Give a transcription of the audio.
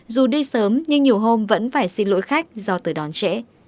dù đi sớm nhưng nhiều hôm vẫn phải xin lỗi khách do tới đón trẻ